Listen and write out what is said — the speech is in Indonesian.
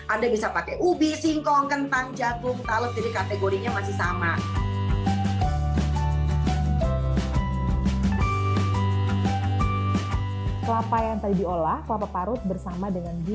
anda bisa pakai ubi singkong kentang jagung talep jadi kategorinya masih sama